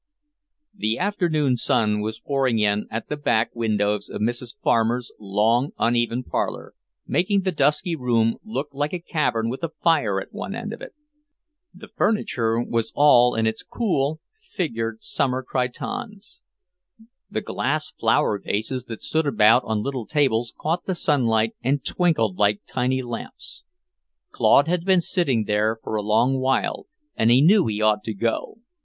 XII The afternoon sun was pouring in at the back windows of Mrs. Farmer's long, uneven parlour, making the dusky room look like a cavern with a fire at one end of it. The furniture was all in its cool, figured summer cretonnes. The glass flower vases that stood about on little tables caught the sunlight and twinkled like tiny lamps. Claude had been sitting there for a long while, and he knew he ought to go.